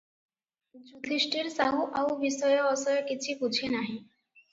ଯୁଧିଷ୍ଟିର ସାହୁ ଆଉ ବିଷୟ ଅଶୟ କିଛିବୁଝେ ନାହିଁ ।